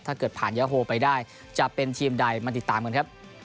ถ้าเกิดผ่านยาโฮไปได้จะเป็นทีมใดมาติดตามกันครับ